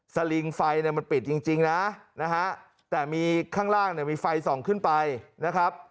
สลิงไฟมันปิดจริงนะฮะแต่มีข้างล่างมีไฟ๒ขึ้นไปนะครับ